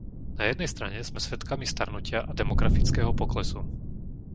Na jednej strane sme svedkami starnutia a demografického poklesu.